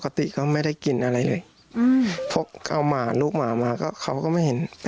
ปกติก็ไม่ได้กลิ่นอะไรเลยเอาหมาลูกหมามาก็ไม่เห็น